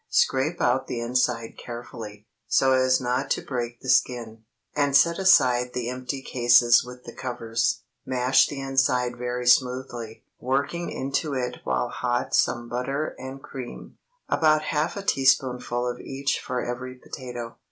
Scrape out the inside carefully, so as not to break the skin, and set aside the empty cases with the covers. Mash the inside very smoothly, working into it while hot some butter and cream—about half a teaspoonful of each for every potato.